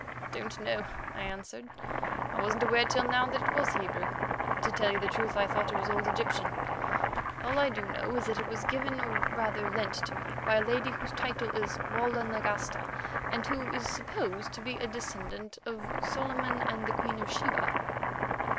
"Don't know," I answered; "wasn't aware till now that it was Hebrew. To tell you the truth, I thought it was old Egyptian. All I do know is that it was given, or rather lent, to me by a lady whose title is Walda Nagasta, and who is supposed to be a descendant of Solomon and the Queen of Sheba."